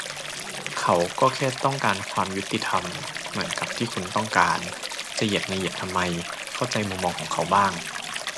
เขาก็แค่ต้องการความยุติธรรมเหมือนกับที่คุณต้องการ จะเหยียดในเหยียดทำไม เข้าใจมุมมองของเขาบ้าง